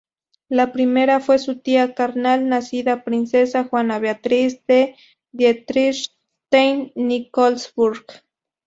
La primera fue su tía carnal, nacida princesa Juana Beatriz de Dietrichstein-Nikolsburg.